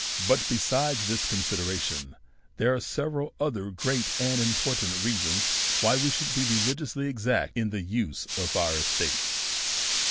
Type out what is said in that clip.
But, besides this consideration, there are several other great and important reasons why we should be religiously exact in the use of our estates.